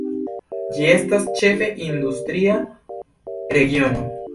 Gi estas ĉefe industria regiono.